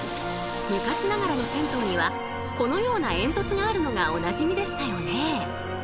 昔ながらの銭湯にはこのような煙突があるのがおなじみでしたよね。